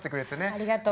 ありがとう。